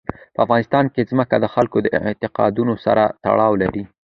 په افغانستان کې ځمکه د خلکو د اعتقاداتو سره تړاو لري.